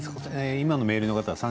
今のメールの方は？